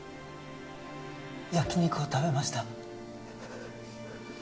焼き肉を食べました